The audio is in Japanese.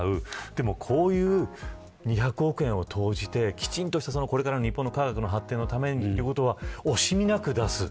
でもこういう２００億円を投じてきちんとした日本の科学の発展のためお金を惜しみなく出す。